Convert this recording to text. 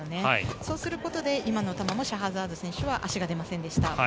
そうすることで今の球もシャハザード選手は足が出ませんでした。